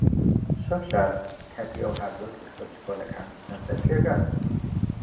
شەو شاد! کاتی ئەوە هاتووە کە کچە بچکۆڵەکەکان بچنە سەر جێگا.